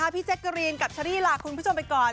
พี่แจ๊กกะรีนกับเชอรี่ลาคุณผู้ชมไปก่อน